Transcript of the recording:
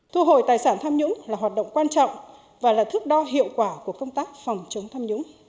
thu hồi tài sản tham nhũng là hoạt động quan trọng và là thước đo hiệu quả của công tác phòng chống tham nhũng